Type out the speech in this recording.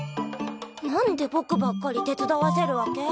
何でぼくばっかり手伝わせるわけ？